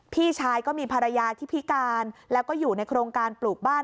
พี่ชายก็มีภรรยาที่พิการแล้วก็อยู่ในโครงการปลูกบ้าน